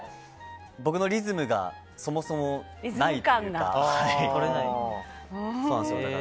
僕のリズムがそもそもないというか。